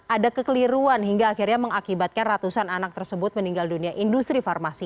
ada kekeliruan hingga akhirnya mengakibatkan ratusan anak tersebut meninggal dunia industri farmasi